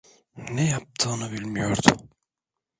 Ne yaptığını bilmiyordu.